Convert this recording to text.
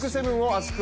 厚く！